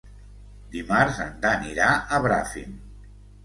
Dimarts en Dan irà a Bràfim.